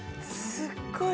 すっごい